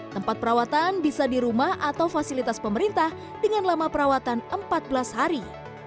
tempat perawatan bisa di rumah atau fasilitas pemerintah dengan lama perawatan empat belas hari